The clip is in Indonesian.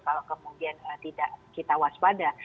kalau kemudian tidak kita waspada